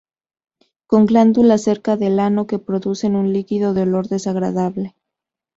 Con glándulas cerca del ano que producen un líquido de olor desagradable.